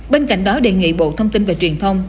bên cạnh đó đề nghị bộ thông tin và truyền thông